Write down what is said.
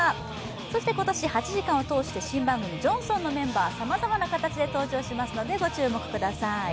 そして今年８時間を通して新番組「ジョンソン」のメンバー、さまざまな形で登場しますので、こちらもご注目ください。